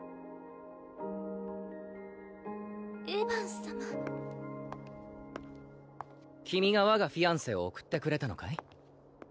エヴァン様君が我がフィアンセを送ってくれたのかい？